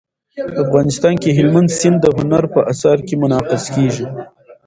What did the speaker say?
افغانستان کې هلمند سیند د هنر په اثار کې منعکس کېږي.